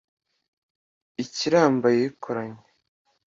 ikiramba yikoranye